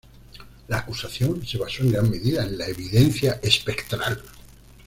La acusación se basó en gran medida en la evidencia espectral.